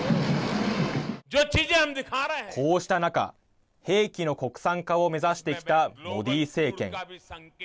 こうした中、兵器の国産化を目指してきたモディ政権。